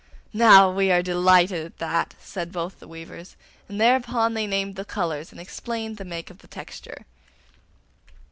'Now we are delighted at that,' said both the weavers, and thereupon they named the colours and explained the make of the texture.